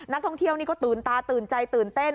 นักท่องเที่ยวนี่ก็ตื่นตาตื่นใจตื่นเต้น